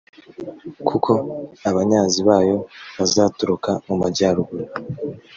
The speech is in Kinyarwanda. kuko abanyazi bayo bazaturuka mu majyaruguru